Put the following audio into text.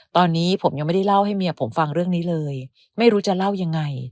ตอนนี้ผมยังไม่ได้เล่าให้เมียผมฟังเรื่องนี้เลยไม่รู้จะเล่ายังไง